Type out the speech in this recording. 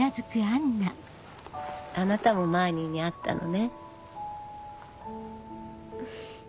あなたもマーニーに会ったのね。